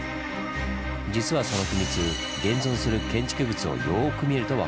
実はそのヒミツ現存する建築物をよく見ると分かるんです。